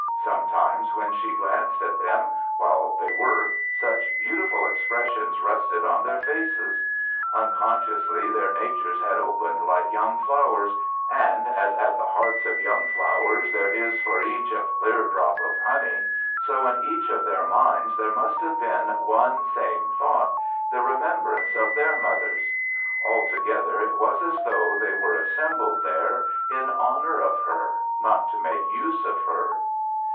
Sometimes when she glanced at them, while they worked, such beautiful expressions rested on their faces. Unconsciously their natures had opened like young flowers, and as at the hearts of young flowers there is for each a clear drop of honey, so in each of their minds there must have been one same thought, the remembrance of their mothers. Altogether it was as though they were assembled there in honor of her, not to make use of her.